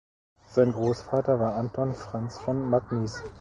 Sein Großvater war Anton Franz von Magnis.